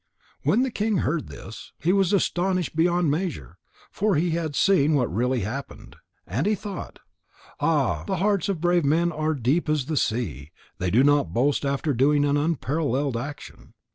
When the king heard this, he was astonished beyond measure, for he had seen what really happened. And he thought: "Ah, the hearts of brave men are deep as the sea, if they do not boast after doing an unparalleled action."